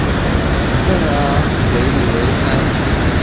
圣阿维里维埃。